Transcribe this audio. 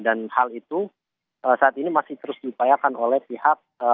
dan hal itu saat ini masih terus diupayakan oleh pihak